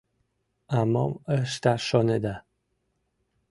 А мом ышташ шонеда?